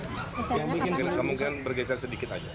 yang mungkin bergeser sedikit aja